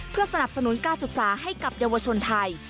เพื่อสนับสนุนการศึกษาให้กับเยาวชนไทย